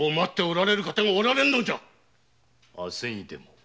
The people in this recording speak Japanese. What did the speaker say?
明日にでも。